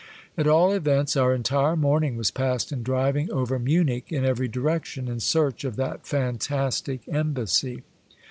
At all events, our entire morning was passed in driving over Munich in every direction, in search of that fantastic Embassy.